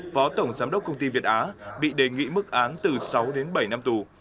phó tổng giám đốc công ty việt á bị đề nghị mức án từ sáu đến bảy năm tù